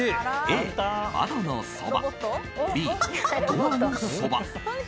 Ａ、窓のそばＢ、ドアのそば。